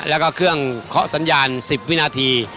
แล้วก็เครื่องเคาะสัญญาณ๑๐วินาที